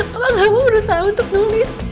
tukang kamu berusaha untuk nulis